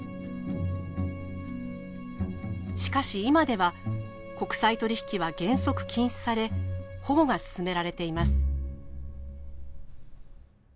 しかし今では国際取り引きは原則禁止され保護が進められています。